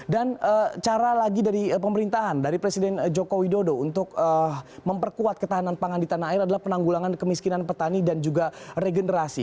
dan cara lagi dari pemerintahan dari presiden joko widodo untuk memperkuat ketahanan pangan di tanah air adalah penanggulangan kemiskinan petani dan juga regenerasi